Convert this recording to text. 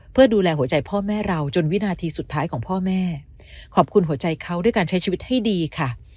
เพื่อดูแลหัวใจพ่อแม่เราจนวินาทีสุดท้ายของพ่อแม่ขอบคุณหัวใจเขาด้วยการใช้ชีวิตให้ดีค่ะ